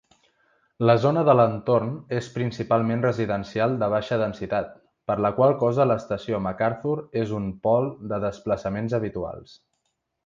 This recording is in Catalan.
La zona de l'entorn és principalment residencial de baixa densitat, per la qual cosa l'estació MacArthur és un pol de desplaçaments habituals.